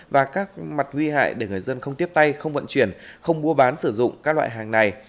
và các mặt nguy hại để người dân không tiếp tay không vận chuyển không mua bán sử dụng các loại hàng này